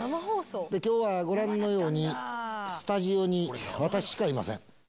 きょうはご覧のように、スタジオに私しかいません。